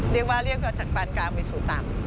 เรียกว่าเรียกก็จากปานกลางวิสุตัม